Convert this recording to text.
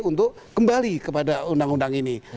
untuk kembali kepada undang undang ini